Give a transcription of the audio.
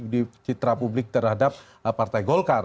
di citra publik terhadap partai golkar